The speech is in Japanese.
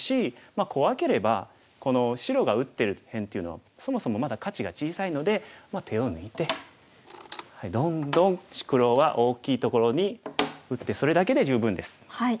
まあ怖ければこの白が打ってる辺っていうのはそもそもまだ価値が小さいので手を抜いてどんどん黒は大きいところに打ってそれだけで十分です。